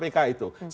semua rakyat indonesia